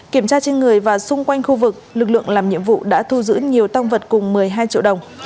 kiểm tra trên người và xung quanh khu vực lực lượng làm nhiệm vụ đã thu giữ nhiều tăng vật cùng một mươi hai triệu đồng